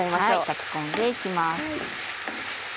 炊き込んで行きます。